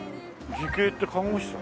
慈恵って看護師さん？